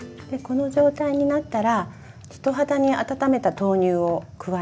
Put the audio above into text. この状態になったら人肌に温めた豆乳を加えます。